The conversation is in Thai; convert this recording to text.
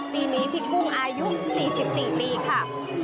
ปีนี้พี่กุ้งอายุ๔๔ปีค่ะ